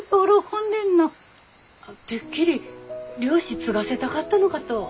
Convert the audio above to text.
てっきり漁師継がせたかったのかと。